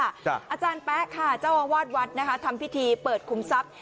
อาจารย์แป๊ะค่ะเจ้าอาวาสวัดนะคะทำพิธีเปิดคุมทรัพย์